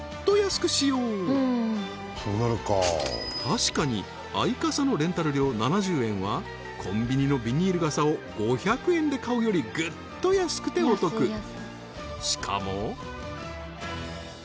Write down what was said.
確かにアイカサのレンタル料７０円はコンビニのビニール傘を５００円で買うよりグッと安くてお得そう！